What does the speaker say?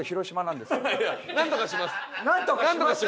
なんとかします。